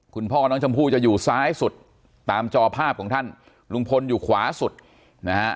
คุณพ่อน้องชมพู่จะอยู่ซ้ายสุดตามจอภาพของท่านลุงพลอยู่ขวาสุดนะฮะ